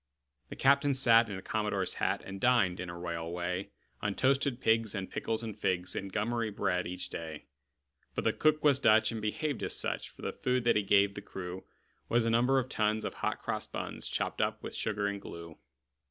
The captain sat in a commodore's hat And dined, in a royal way, On toasted pigs and pickles and figs And gummery bread, each day. But the cook was Dutch, and behaved as such; For the food that he gave the crew Was a number of tons of hot cross buns, Chopped up with sugar and glue.